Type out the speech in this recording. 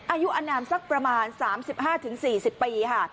อายุอนามสักประมาณ๓๕๔๐ปีค่ะ